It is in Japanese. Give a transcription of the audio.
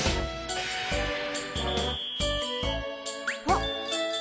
あっ。